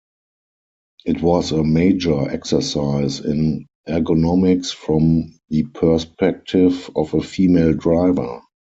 It was a major exercise in ergonomics from the perspective of a female driver.